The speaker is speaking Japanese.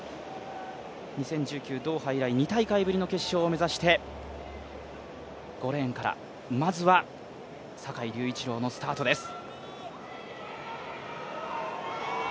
２０１９ドーハ以来２大会ぶりの決勝を目指して５レーンから、まずは坂井隆一郎のスタートです。